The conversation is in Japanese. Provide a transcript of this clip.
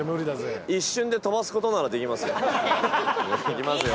いきますよ。